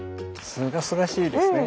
すがすがしいですね！